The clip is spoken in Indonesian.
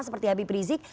seperti habib rizik